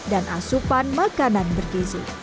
dan asupan makanan berkisi